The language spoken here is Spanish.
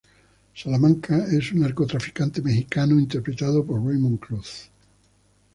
Salamanca es un narcotraficante mexicano interpretado por Raymond Cruz.